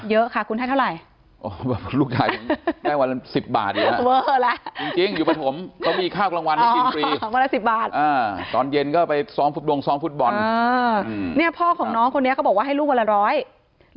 เยอะค่ะคุณให้เท่าไหร่